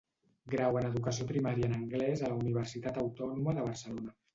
Grau en Educació Primària en anglès a la Universitat Autònoma de Barcelona.